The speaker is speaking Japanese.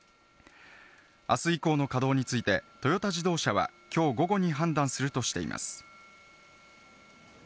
あす以降の稼働についてトヨタ自動車は、きょう午後に判断するとしています。